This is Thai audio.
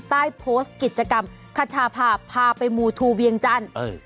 ใต้โพสต์กิจกรรมคชาพาพาไปมูทูเวียงจันทร์